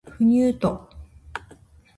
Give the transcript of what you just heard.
不入斗